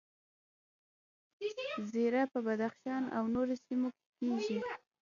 زیره په بدخشان او نورو سیمو کې کیږي